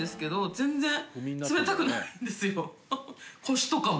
腰とかも。